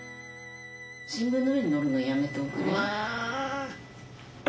新聞の上に乗るのやめておくれ。